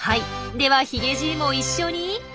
ではヒゲじいも一緒に。